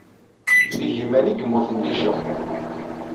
D igiman ay yemmuten deg Japun.